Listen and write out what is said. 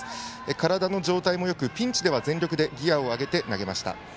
体の状態もよくピンチでは全力でギヤを上げて投げました。